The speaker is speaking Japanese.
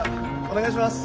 お願いします。